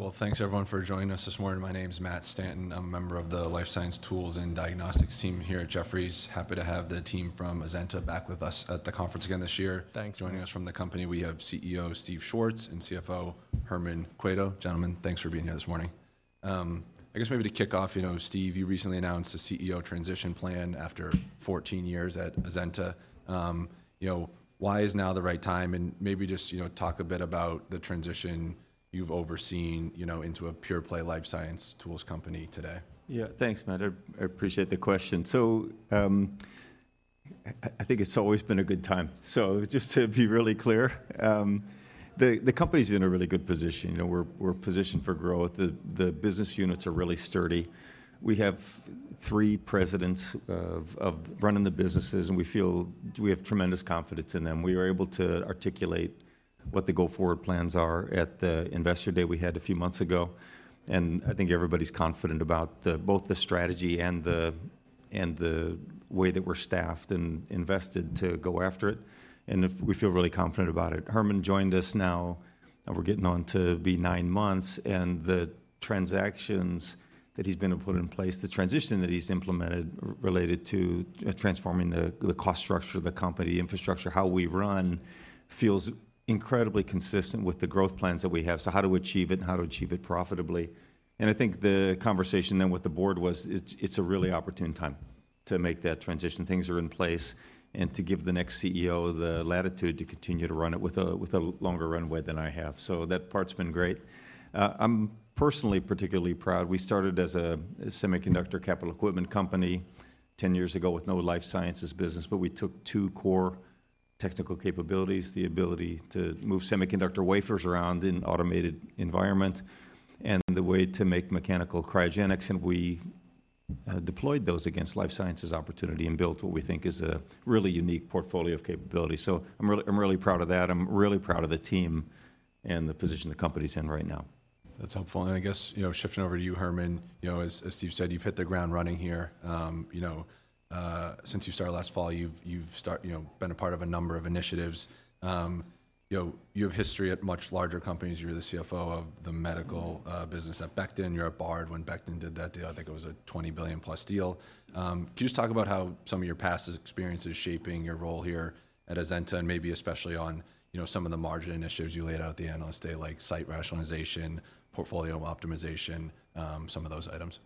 All right. Well, thanks everyone for joining us this morning.f My name's Matt Stanton. I'm a member of the life science tools and diagnostics team here at Jefferies. Happy to have the team from Azenta back with us at the conference again this year. Thanks. Joining us from the company, we have CEO, Steve Schwartz, and CFO, Herman Cueto. Gentlemen, thanks for being here this morning. I guess maybe to kick off, you know, Steve, you recently announced a CEO transition plan after 14 years at Azenta. You know, why is now the right time? And maybe just, you know, talk a bit about the transition you've overseen, you know, into a pure-play life science tools company today. Yeah. Thanks, Matt. I appreciate the question. So, I think it's always been a good time. So just to be really clear, the company's in a really good position. You know, we're positioned for growth. The business units are really sturdy. We have three presidents running the businesses, and we feel we have tremendous confidence in them. We were able to articulate what the go-forward plans are at the Investor Day we had a few months ago, and I think everybody's confident about both the strategy and the way that we're staffed and invested to go after it. We feel really confident about it. Herman joined us now, and we're getting on to be nine months, and the transactions that he's been able to put in place, the transition that he's implemented related to transforming the cost structure of the company, infrastructure, how we run, feels incredibly consistent with the growth plans that we have. So how to achieve it and how to achieve it profitably. And I think the conversation then with the board was, it's a really opportune time to make that transition. Things are in place, and to give the next CEO the latitude to continue to run it with a longer runway than I have. So that part's been great. I'm personally particularly proud. We started as a semiconductor capital equipment company 10 years ago with no life sciences business, but we took two core technical capabilities: the ability to move semiconductor wafers around in an automated environment, and the way to make mechanical cryogenics. We deployed those against life sciences opportunity and built what we think is a really unique portfolio of capabilities. I'm really, I'm really proud of that. I'm really proud of the team and the position the company's in right now. That's helpful. I guess, you know, shifting over to you, Herman, you know, as Steve said, you've hit the ground running here. You know, since you started last fall, you've been a part of a number of initiatives. You know, you have history at much larger companies. You were the CFO of the medical- Mm-hmm... business at Becton. You were at Bard when Becton did that deal. I think it was a $20 billion-plus deal. Can you just talk about how some of your past experience is shaping your role here at Azenta, and maybe especially on, you know, some of the margin initiatives you laid out at the Analyst Day, like site rationalization, portfolio optimization, some of those items?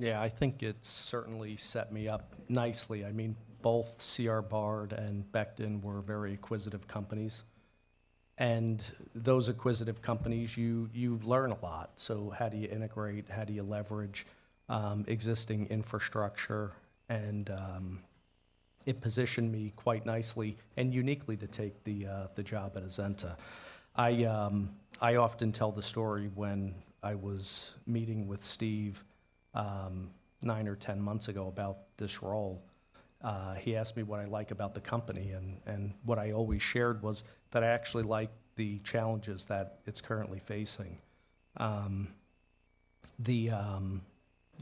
Yeah, I think it's certainly set me up nicely. I mean, both C. R. Bard and Becton were very acquisitive companies, and those acquisitive companies, you learn a lot. So how do you integrate? How do you leverage existing infrastructure? And it positioned me quite nicely and uniquely to take the job at Azenta. I often tell the story when I was meeting with Steve nine or 10 months ago about this role. He asked me what I like about the company, and what I always shared was that I actually like the challenges that it's currently facing.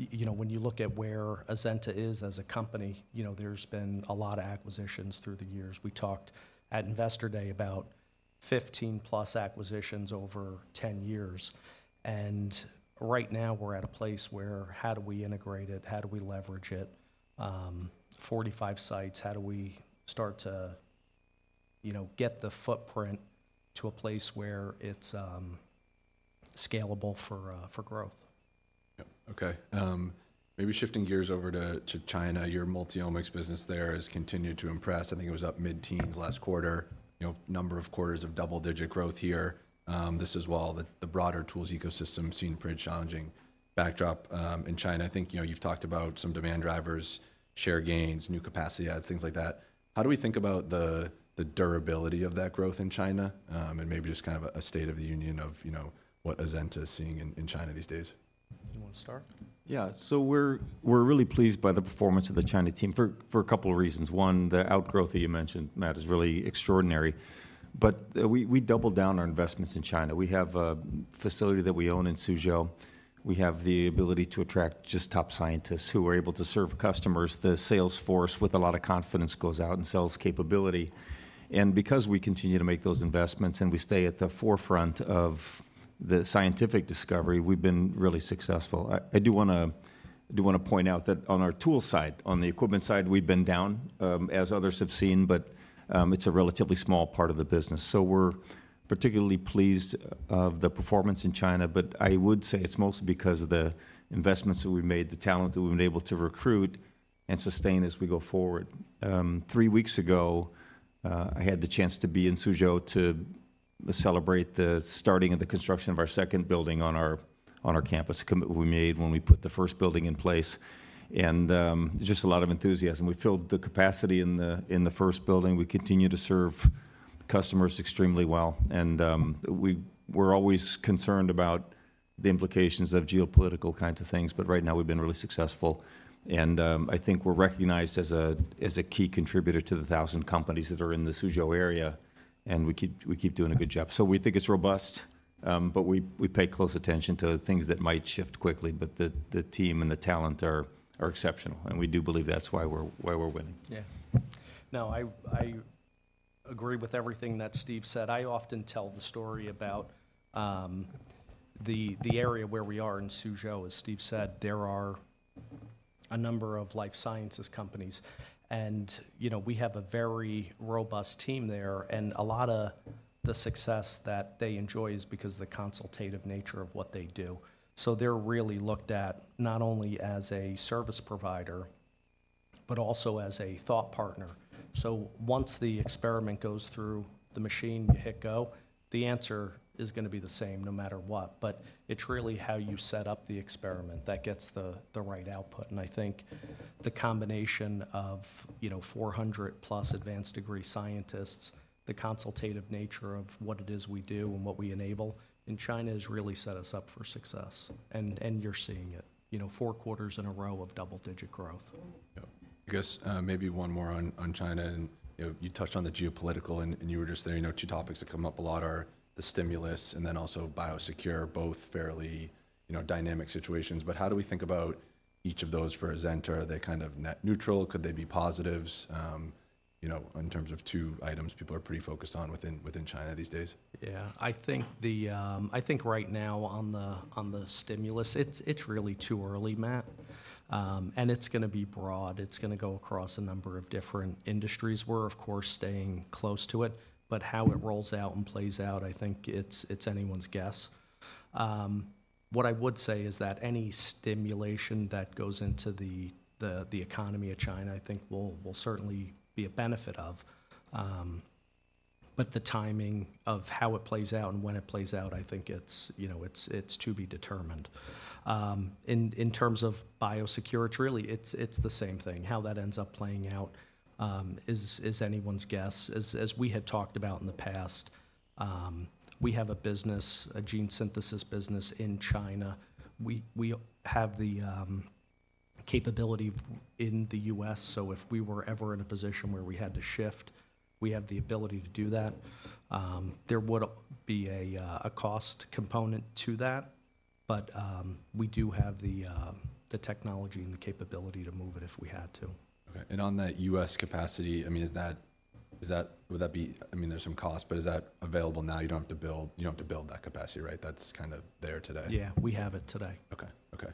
You know, when you look at where Azenta is as a company, you know, there's been a lot of acquisitions through the years. We talked at Investor Day about 15+ acquisitions over 10 years, and right now we're at a place where, how do we integrate it? How do we leverage it? 45 sites, how do we start to, you know, get the footprint to a place where it's, scalable for, for growth? Yep. Okay. Maybe shifting gears over to, to China. Your multi-omics business there has continued to impress. I think it was up mid-teens last quarter. You know, number of quarters of double-digit growth here. This is while the, the broader tools ecosystem seemed pretty challenging backdrop, in China. I think, you know, you've talked about some demand drivers, share gains, new capacity adds, things like that. How do we think about the, the durability of that growth in China? And maybe just kind of a state of the union of, you know, what Azenta is seeing in, in China these days. You want to start? Yeah. So we're really pleased by the performance of the China team for a couple of reasons. One, the outgrowth that you mentioned, Matt, is really extraordinary. But we doubled down our investments in China. We have a facility that we own in Suzhou. We have the ability to attract just top scientists who are able to serve customers. The sales force, with a lot of confidence, goes out and sells capability. And because we continue to make those investments, and we stay at the forefront of the scientific discovery, we've been really successful. I do wanna point out that on our tools side, on the equipment side, we've been down, as others have seen, but it's a relatively small part of the business. So we're particularly pleased with the performance in China, but I would say it's mostly because of the investments that we've made, the talent that we've been able to recruit and sustain as we go forward. Three weeks ago, I had the chance to be in Suzhou to celebrate the starting of the construction of our second building on our campus, a commitment we made when we put the first building in place, and just a lot of enthusiasm. We filled the capacity in the first building. We continue to serve customers extremely well, and we're always concerned about the implications of geopolitical kinds of things, but right now we've been really successful. I think we're recognized as a key contributor to the thousand companies that are in the Suzhou area, and we keep doing a good job. So we think it's robust, but we pay close attention to things that might shift quickly. But the team and the talent are exceptional, and we do believe that's why we're winning. Yeah. No, I agree with everything that Steve said. I often tell the story about the area where we are in Suzhou. As Steve said, there are a number of life sciences companies, and, you know, we have a very robust team there, and a lot of the success that they enjoy is because of the consultative nature of what they do. So they're really looked at not only as a service provider, but also as a thought partner. So once the experiment goes through the machine, you hit go, the answer is gonna be the same, no matter what. But it's really how you set up the experiment that gets the right output, and I think the combination of, you know, 400+ advanced degree scientists, the consultative nature of what it is we do and what we enable, in China has really set us up for success. And you're seeing it, you know, 4 quarters in a row of double-digit growth. Yeah. I guess, maybe one more on, on China, and, you know, you touched on the geopolitical, and you were just there. You know, two topics that come up a lot are the stimulus and then also BIOSECURE, both fairly, you know, dynamic situations. But how do we think about each of those for Azenta? Are they kind of net neutral? Could they be positives, you know, in terms of two items people are pretty focused on within, within China these days? Yeah. I think right now on the stimulus, it's really too early, Matt. And it's gonna be broad. It's gonna go across a number of different industries. We're, of course, staying close to it, but how it rolls out and plays out, I think it's anyone's guess. What I would say is that any stimulation that goes into the economy of China, I think will certainly be a benefit of... But the timing of how it plays out and when it plays out, I think it's, you know, it's to be determined. In terms of BIOSECURE, it's really the same thing. How that ends up playing out is anyone's guess. As we had talked about in the past, we have a business, a gene synthesis business in China. We have the capability in the U.S., so if we were ever in a position where we had to shift, we have the ability to do that. There would be a cost component to that, but we do have the technology and the capability to move it if we had to. Okay. And on that U.S. capacity, I mean, is that, would that be... I mean, there's some cost, but is that available now? You don't have to build that capacity, right? That's kind of there today. Yeah, we have it today. Okay. Okay.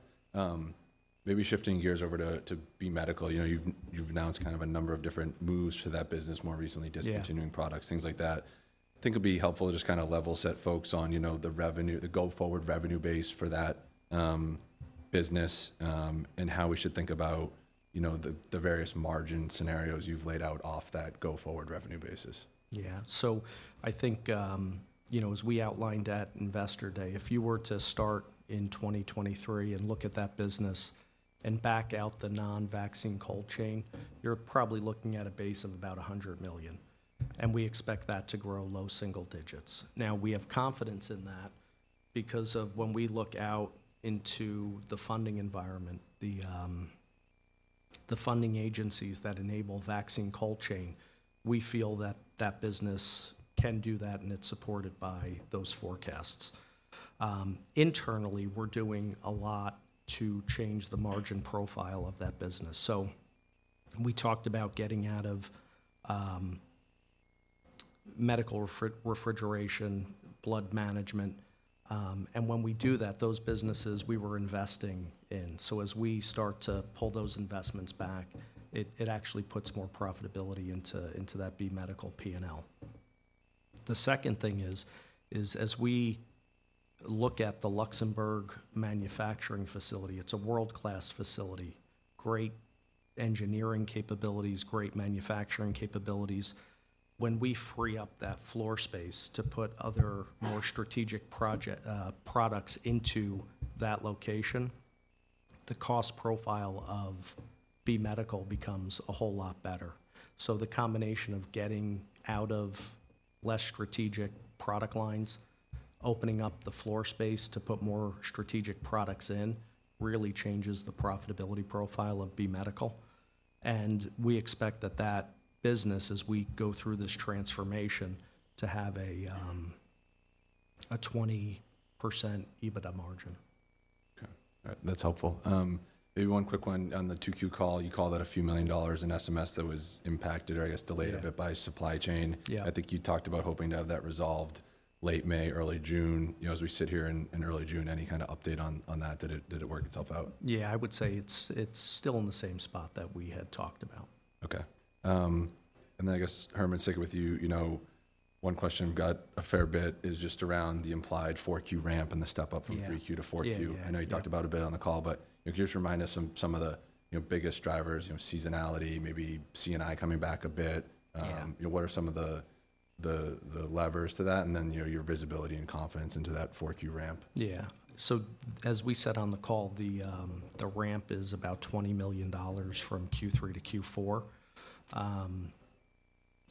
Maybe shifting gears over to B Medical. You know, you've announced kind of a number of different moves to that business more recently. Yeah... discontinuing products, things like that. I think it'd be helpful to just kind of level-set folks on, you know, the revenue, the go-forward revenue base for that business, and how we should think about, you know, the, the various margin scenarios you've laid out off that go-forward revenue basis. Yeah. So I think, you know, as we outlined at Investor Day, if you were to start in 2023 and look at that business and back out the non-vaccine cold chain, you're probably looking at a base of about $100 million, and we expect that to grow low single digits. Now, we have confidence in that because of when we look out into the funding environment, the funding agencies that enable vaccine cold chain, we feel that that business can do that, and it's supported by those forecasts. Internally, we're doing a lot to change the margin profile of that business. So we talked about getting out of medical refrigeration, blood management, and when we do that, those businesses we were investing in. So as we start to pull those investments back, it actually puts more profitability into that B Medical P&L. The second thing is as we look at the Luxembourg manufacturing facility, it's a world-class facility, great engineering capabilities, great manufacturing capabilities. When we free up that floor space to put other, more strategic project products into that location, the cost profile of B Medical becomes a whole lot better. So the combination of getting out of less strategic product lines, opening up the floor space to put more strategic products in, really changes the profitability profile of B Medical. And we expect that that business, as we go through this transformation, to have a 20% EBITDA margin. Okay. That's helpful. Maybe one quick one on the 2Q call. You called out $a few million in SMS that was impacted or, I guess, delayed- Yeah... a bit by supply chain. Yeah. I think you talked about hoping to have that resolved late May, early June. You know, as we sit here in early June, any kind of update on that? Did it work itself out? Yeah, I would say it's still in the same spot that we had talked about. Okay. And then I guess, Herman, sticking with you, you know, one question we've got a fair bit is just around the implied 4Q ramp and the step up from- Yeah... 3Q to 4Q. Yeah. Yeah. I know you talked about a bit on the call, but just remind us some of the, you know, biggest drivers, you know, seasonality, maybe C&I coming back a bit. Yeah. You know, what are some of the levers to that, and then, you know, your visibility and confidence into that 4Q ramp? Yeah. So as we said on the call, the ramp is about $20 million from Q3 to Q4.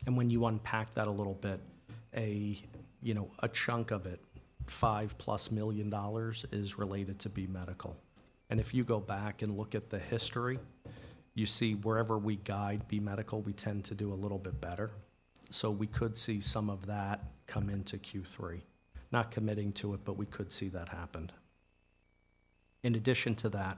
And when you unpack that a little bit, you know, a chunk of it, $5+ million, is related to B Medical. And if you go back and look at the history, you see wherever we guide B Medical, we tend to do a little bit better. So we could see some of that come into Q3. Not committing to it, but we could see that happen. In addition to that,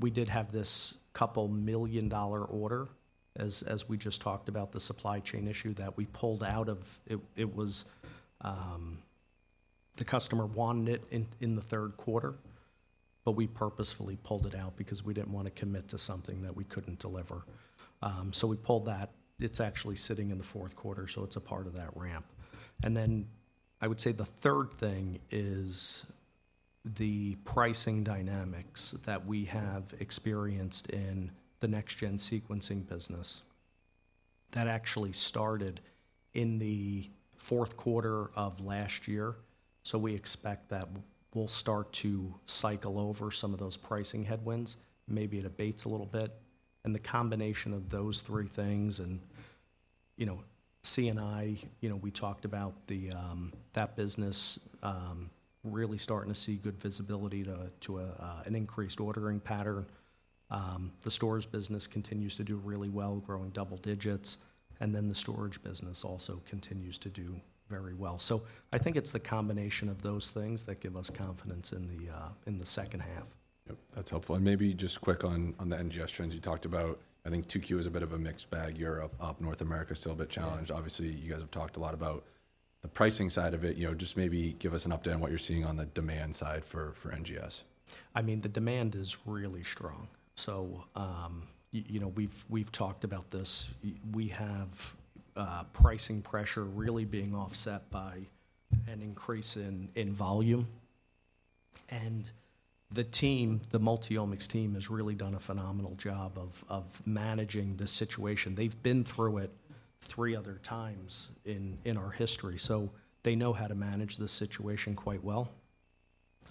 we did have this $2 million order, as we just talked about, the supply chain issue that we pulled out of. It was the customer wanted it in the third quarter, but we purposefully pulled it out because we didn't want to commit to something that we couldn't deliver. So we pulled that. It's actually sitting in the fourth quarter, so it's a part of that ramp. And then, I would say the third thing is the pricing dynamics that we have experienced in the next-gen sequencing business. That actually started in the fourth quarter of last year, so we expect that we'll start to cycle over some of those pricing headwinds, maybe it abates a little bit. And the combination of those three things and, you know, C&I, you know, we talked about the, that business, really starting to see good visibility to, to a, an increased ordering pattern. The storage business continues to do really well, growing double digits, and then the storage business also continues to do very well. So I think it's the combination of those things that give us confidence in the second half. Yep, that's helpful. And maybe just quick on the NGS trends you talked about, I think 2Q is a bit of a mixed bag. Europe up, North America still a bit challenged. Yeah. Obviously, you guys have talked a lot about the pricing side of it. You know, just maybe give us an update on what you're seeing on the demand side for, for NGS? I mean, the demand is really strong. So, you know, we've talked about this. We have pricing pressure really being offset by an increase in volume. And the team, the Multi-omics team, has really done a phenomenal job of managing the situation. They've been through it three other times in our history, so they know how to manage the situation quite well.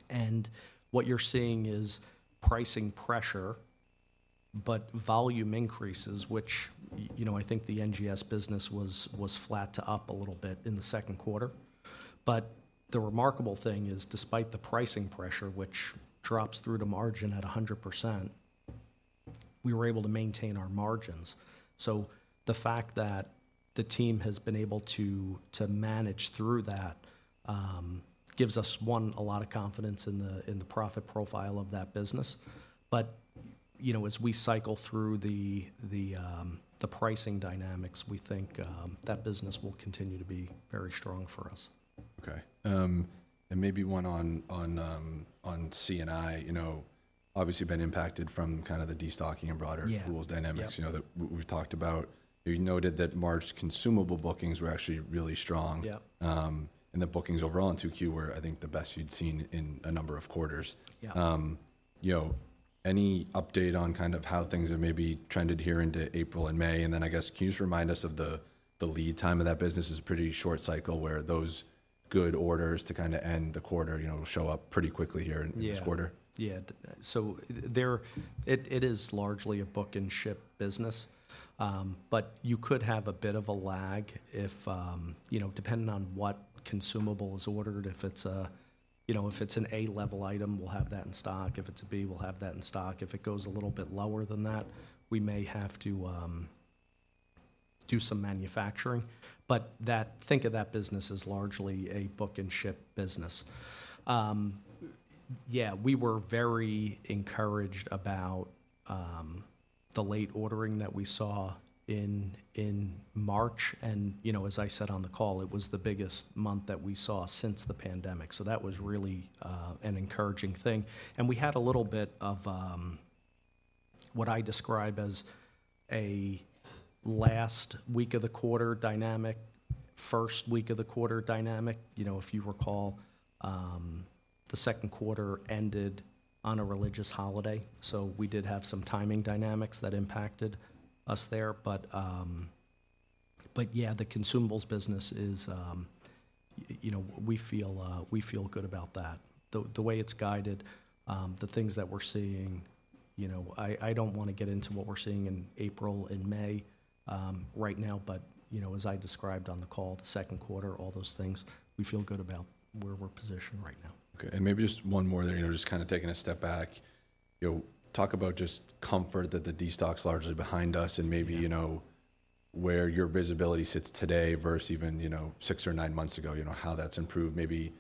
And what you're seeing is pricing pressure, but volume increases, which you know, I think the NGS business was flat to up a little bit in the second quarter. But the remarkable thing is, despite the pricing pressure, which drops through to margin at 100%, we were able to maintain our margins. So the fact that the team has been able to manage through that gives us, one, a lot of confidence in the profit profile of that business. But, you know, as we cycle through the pricing dynamics, we think that business will continue to be very strong for us. Okay. And maybe one on C&I. You know, obviously been impacted from kind of the destocking and broader- Yeah... tools dynamics- Yep You know, that we've talked about. You noted that March consumable bookings were actually really strong. Yeah. The bookings overall in 2Q were, I think, the best you'd seen in a number of quarters. Yeah. You know, any update on kind of how things have maybe trended here into April and May? And then I guess, can you just remind us of the lead time of that business is a pretty short cycle, where those good orders to kind of end the quarter, you know, will show up pretty quickly here- Yeah in this quarter? Yeah. So there. It is largely a book and ship business, but you could have a bit of a lag if, you know, depending on what consumable is ordered. If it's, you know, if it's an A-level item, we'll have that in stock. If it's a B, we'll have that in stock. If it goes a little bit lower than that, we may have to do some manufacturing. But think of that business as largely a book and ship business. Yeah, we were very encouraged about the late ordering that we saw in March, and, you know, as I said on the call, it was the biggest month that we saw since the pandemic, so that was really an encouraging thing. We had a little bit of what I describe as a last week of the quarter dynamic, first week of the quarter dynamic. You know, if you recall, the second quarter ended on a religious holiday, so we did have some timing dynamics that impacted us there. But, but yeah, the consumables business is, you know, we feel, we feel good about that. The way it's guided, the things that we're seeing, you know. I don't wanna get into what we're seeing in April and May, right now, but, you know, as I described on the call, the second quarter, all those things, we feel good about where we're positioned right now. Okay, and maybe just one more there, you know, just kind of taking a step back. You know, talk about just comfort that the destock's largely behind us and maybe, you know, where your visibility sits today versus even, you know, 6 or 9 months ago, you know, how that's improved maybe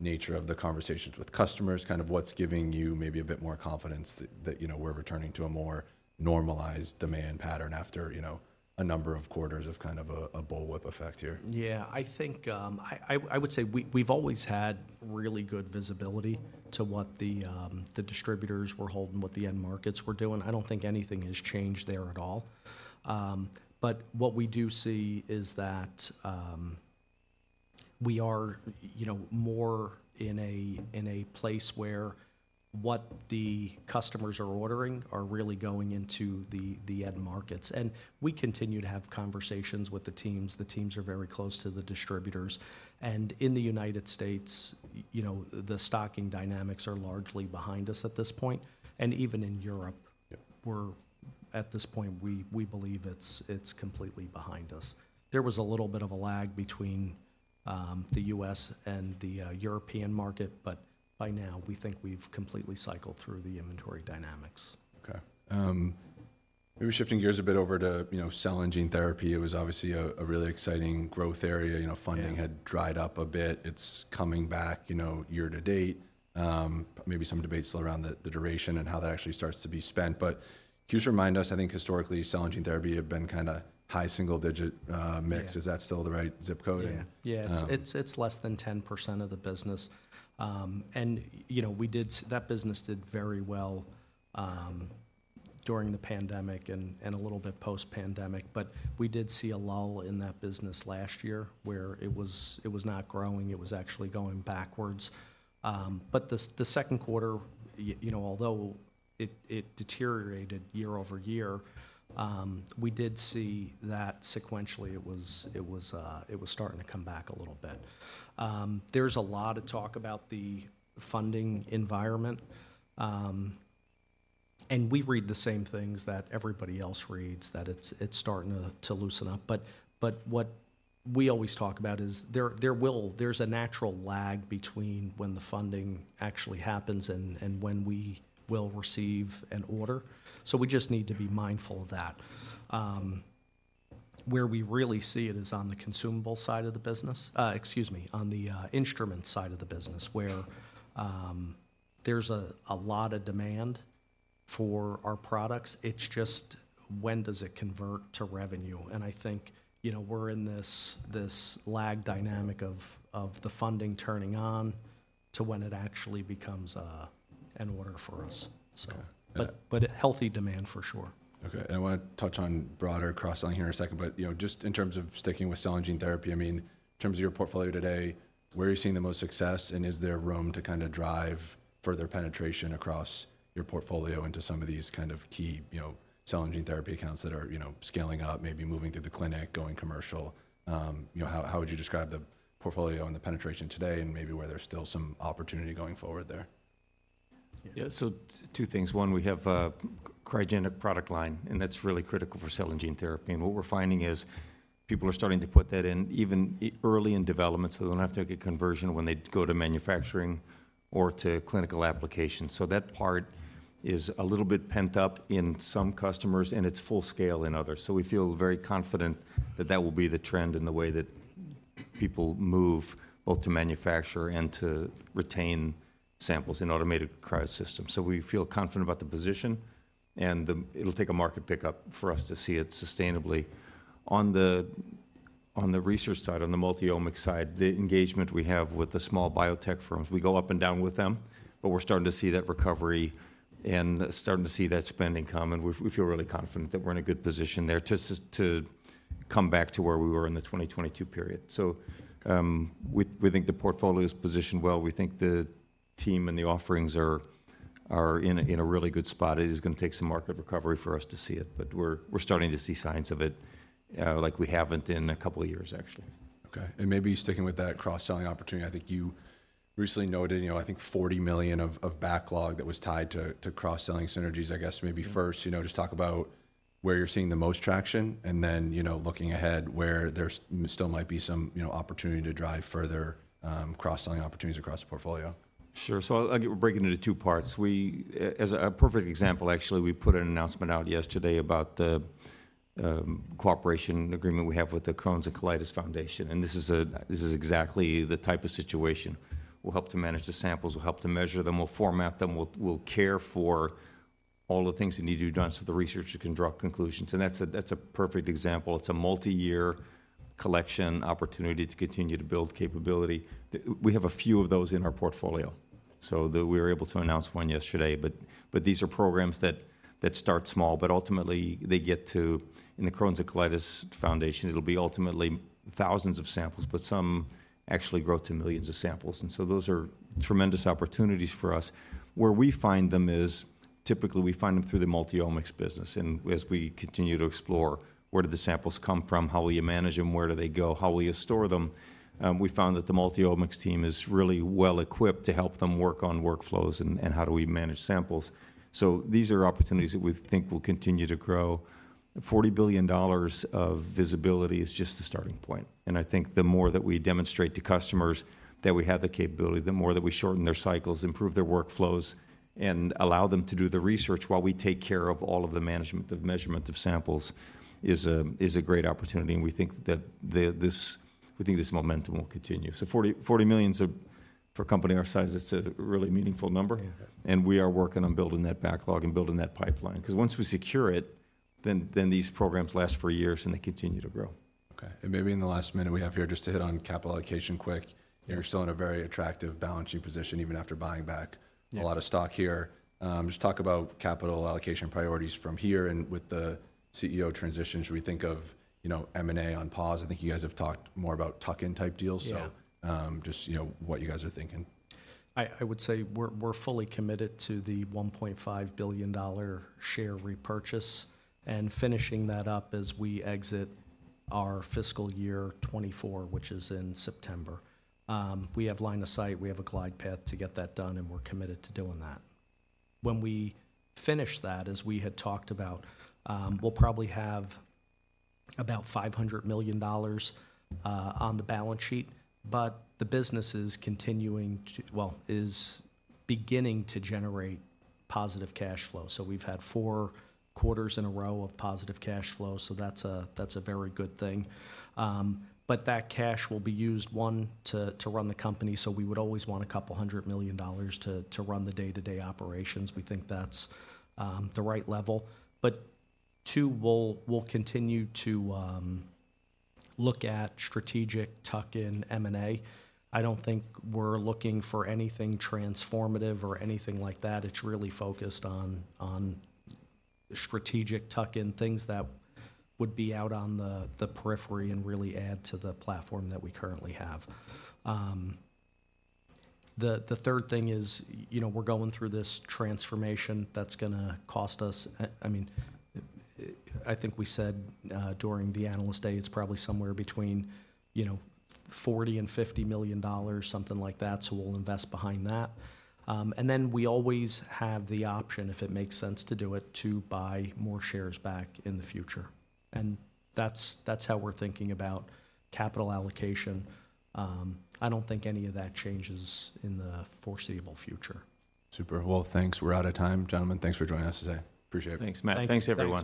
nature of the conversations with customers, kind of what's giving you maybe a bit more confidence that you know, we're returning to a more normalized demand pattern after, you know, a number of quarters of kind of a bullwhip effect here. Yeah. I think, I would say we've always had really good visibility to what the distributors were holding, what the end markets were doing. I don't think anything has changed there at all. But what we do see is that, we are, you know, more in a place where what the customers are ordering are really going into the end markets. And we continue to have conversations with the teams. The teams are very close to the distributors. And in the United States, you know, the stocking dynamics are largely behind us at this point, and even in Europe- Yep... we're, at this point, we believe it's completely behind us. There was a little bit of a lag between the U.S. and the European market, but by now, we think we've completely cycled through the inventory dynamics. Okay. Maybe shifting gears a bit over to, you know, cell and gene therapy. It was obviously a really exciting growth area. You know- Yeah -funding had dried up a bit. It's coming back, you know, year to date. Maybe some debate still around the, the duration and how that actually starts to be spent. But can you just remind us, I think historically, cell and gene therapy have been kinda high single digit, Yeah... mix. Is that still the right zip code? Yeah. Yeah. Um. It's less than 10% of the business. And, you know, that business did very well during the pandemic and a little bit post-pandemic, but we did see a lull in that business last year, where it was not growing, it was actually going backwards. But the second quarter, you know, although it deteriorated year-over-year, we did see that sequentially, it was starting to come back a little bit. There's a lot of talk about the funding environment, and we read the same things that everybody else reads, that it's starting to loosen up. But what we always talk about is there's a natural lag between when the funding actually happens and when we will receive an order, so we just need to be mindful of that. Where we really see it is on the consumable side of the business. Excuse me, on the instrument side of the business, where there's a lot of demand for our products. It's just when does it convert to revenue? And I think, you know, we're in this lag dynamic of the funding turning on to when it actually becomes an order for us, so. Okay. But a healthy demand, for sure. Okay, and I wanna touch on broader cross-selling here in a second, but, you know, just in terms of sticking with cell and gene therapy, I mean, in terms of your portfolio today, where are you seeing the most success, and is there room to kinda drive further penetration across your portfolio into some of these kind of key, you know, cell and gene therapy accounts that are, you know, scaling up, maybe moving through the clinic, going commercial? You know, how would you describe the portfolio and the penetration today, and maybe where there's still some opportunity going forward there? Yeah, so two things: one, we have a cryogenic product line, and that's really critical for cell and gene therapy. What we're finding is, people are starting to put that in, even early in development, so they don't have to get conversion when they go to manufacturing or to clinical application. That part is a little bit pent up in some customers, and it's full scale in others. We feel very confident that that will be the trend in the way that people move, both to manufacture and to retain samples in automated cryo systems. We feel confident about the position, and the... It'll take a market pickup for us to see it sustainably. On the research side, on the multi-omics side, the engagement we have with the small biotech firms, we go up and down with them, but we're starting to see that recovery and starting to see that spending come, and we, we feel really confident that we're in a good position there to come back to where we were in the 2022 period. So, we, we think the portfolio is positioned well. We think the team and the offerings are, are in a, in a really good spot. It is gonna take some market recovery for us to see it, but we're, we're starting to see signs of it, like we haven't in a couple of years, actually. Okay. And maybe sticking with that cross-selling opportunity, I think you recently noted, you know, I think $40 million of, of backlog that was tied to, to cross-selling synergies. I guess maybe- Mm-hmm... first, you know, just talk about where you're seeing the most traction, and then, you know, looking ahead, where there still might be some, you know, opportunity to drive further cross-selling opportunities across the portfolio. Sure. So I'll break it into two parts. We, as a perfect example, actually, we put an announcement out yesterday about the cooperation and agreement we have with the Crohn's and Colitis Foundation, and this is—this is exactly the type of situation. We'll help to manage the samples, we'll help to measure them, we'll format them, we'll care for all the things that need to be done so the researcher can draw conclusions. And that's a perfect example. It's a multiyear collection opportunity to continue to build capability. We have a few of those in our portfolio, so we were able to announce one yesterday. But these are programs that start small, but ultimately, they get to... In the Crohn's and Colitis Foundation, it'll be ultimately thousands of samples, but some actually grow to millions of samples, and so those are tremendous opportunities for us. Where we find them is, typically, we find them through the multi-omics business, and as we continue to explore, where do the samples come from? How will you manage them? Where do they go? How will you store them? We found that the multi-omics team is really well-equipped to help them work on workflows, and, and how do we manage samples? So these are opportunities that we think will continue to grow. $40 million of visibility is just the starting point, and I think the more that we demonstrate to customers that we have the capability, the more that we shorten their cycles, improve their workflows, and allow them to do the research while we take care of all of the management, the measurement of samples, is a great opportunity, and we think that this, we think this momentum will continue. So $40 million's a, for a company our size, it's a really meaningful number. Yeah. We are working on building that backlog and building that pipeline, 'cause once we secure it, then, then these programs last for years, and they continue to grow. Okay. Maybe in the last minute we have here, just to hit on capital allocation quick. Yeah. You're still in a very attractive balancing position, even after buying back- Yeah... a lot of stock here. Just talk about capital allocation priorities from here, and with the CEO transition, should we think of, you know, M&A on pause? I think you guys have talked more about tuck-in type deals. Yeah. Just, you know, what you guys are thinking? I would say we're fully committed to the $1.5 billion share repurchase and finishing that up as we exit our fiscal year 2024, which is in September. We have line of sight, we have a glide path to get that done, and we're committed to doing that. When we finish that, as we had talked about, we'll probably have about $500 million on the balance sheet, but the business is continuing to... well, is beginning to generate positive cash flow. So we've had 4 quarters in a row of positive cash flow, so that's a very good thing. But that cash will be used, one, to run the company, so we would always want a couple hundred million dollars to run the day-to-day operations. We think that's the right level. But two, we'll continue to look at strategic tuck-in M&A. I don't think we're looking for anything transformative or anything like that. It's really focused on strategic tuck-in, things that would be out on the periphery and really add to the platform that we currently have. The third thing is, you know, we're going through this transformation that's gonna cost us. I mean, I think we said during the Analyst Day, it's probably somewhere between, you know, $40 million and $50 million, something like that, so we'll invest behind that. And then we always have the option, if it makes sense to do it, to buy more shares back in the future. And that's how we're thinking about capital allocation. I don't think any of that changes in the foreseeable future. Super. Well, thanks. We're out of time, gentlemen. Thanks for joining us today. Appreciate it. Thanks, Matt. Thank you. Thanks, everyone.